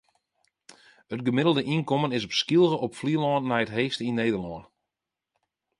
It gemiddelde ynkommen is op Skylge op Flylân nei it heechste yn Nederlân.